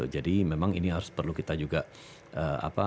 jadi memang ini harus perlu kita juga